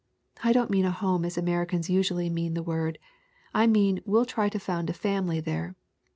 I don't mean a home as Americans usually mean the word, I mean we'll try to found a family there.